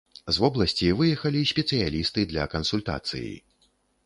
З вобласці выехалі спецыялісты для кансультацыі.